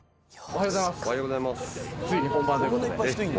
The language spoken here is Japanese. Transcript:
おはようございます。